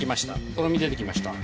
とろみ出てきました。